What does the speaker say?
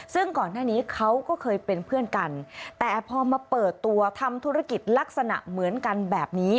ซึ่งก่อนหน้านี้เขาก็เคยเป็นเพื่อนกันแต่พอมาเปิดตัวทำธุรกิจลักษณะเหมือนกันแบบนี้